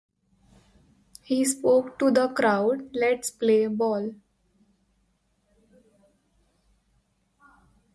He spoke to the crowd, Let's Play Ball.